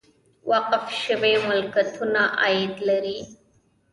وقف شوي ملکیتونه عاید لري